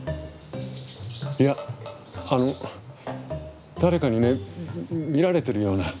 いやあの誰かにね見られてるような。